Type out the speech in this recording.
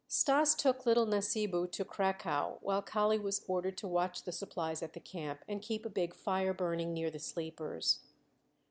Stas took little Nasibu to "Cracow," while Kali was ordered to watch the supplies at the camp and keep a big fire burning near the sleepers.